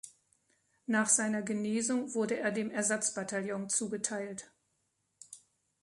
Nach seiner Genesung wurde er dem Ersatz-Bataillon zugeteilt.